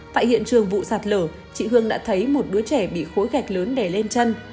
tại hiện trường vụ sạt lở chị hương đã thấy một đứa trẻ bị khối gạch lớn đè lên chân